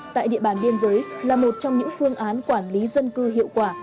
tại địa bàn biên giới là một trong những phương án quản lý dân cư hiệu quả